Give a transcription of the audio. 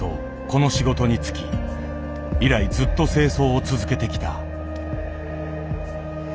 この仕事に就き以来ずっと清掃を続けてきた。